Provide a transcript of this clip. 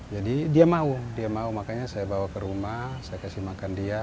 jadi dia mau dia mau makanya saya bawa ke rumah saya kasih makan dia